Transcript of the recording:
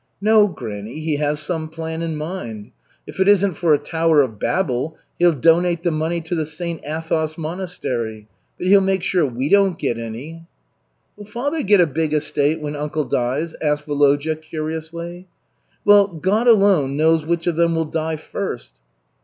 "No, granny, he has some plan in mind. If it isn't for a tower of Babel, he'll donate the money to the St. Athos monastery; but he'll make sure we don't get any." "Will father get a big estate when uncle dies?" asked Volodya, curiously. "Well, God alone knows which of them will die first."